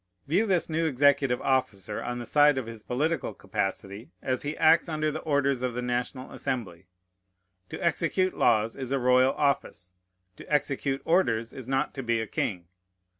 View this new executive officer on the side of his political capacity, as he acts under the orders of the National Assembly. To execute laws is a royal office; to execute orders is not to be a king.